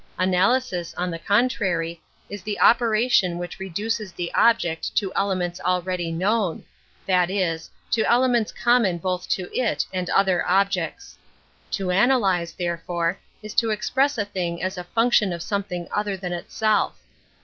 Analysis, on the contrary, is the operation which reduces the object to elements already known, that is, to elements common both to it 'and other objects. To analyze, therefore, is to ex press a thing as a function of something other than itself.